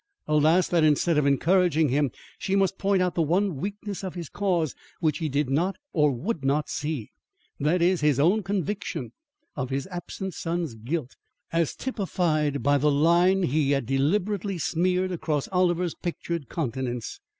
Alas, that instead of encouraging him, she must point out the one weakness of his cause which he did not or would not see, that is, his own conviction of his absent son's guilt as typified by the line he had deliberately smeared across Oliver's pictured countenance.